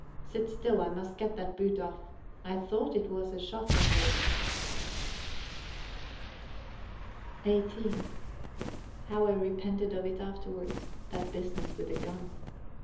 "Sit still I must get that boot off. I thought it was a shot I heard." XVIII How I repented of it afterward that business with the gun.